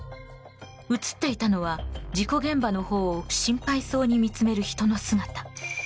映っていたのは事故現場のほうを心配そうに見つめる人の姿。